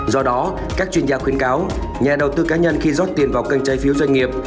do đó các chuyên gia khuyến cáo nhà đầu tư cá nhân khi rót tiền vào kênh trái phiếu doanh nghiệp